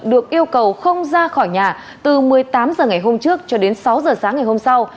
được yêu cầu không ra khỏi nhà từ một mươi tám h ngày hôm trước cho đến sáu h sáng ngày hôm sau